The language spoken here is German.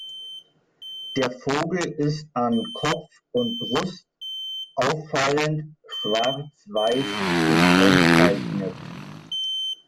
Der Vogel ist an Kopf und Brust auffallend schwarz-weiß gekennzeichnet.